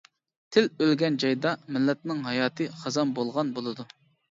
تىل ئۆلگەن جايدا مىللەتنىڭ ھاياتى خازان بولغان بولىدۇ.